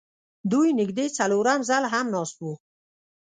دوی نږدې څلورم ځل هم ناست وو